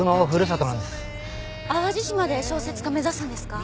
淡路島で小説家目指すんですか？